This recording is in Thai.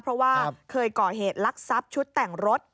เพราะว่าเคยก่อเหตุลักษัพชุดแต่งรถ